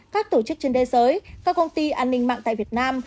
các tổ chức trên thế giới các công ty an ninh mạng tại việt nam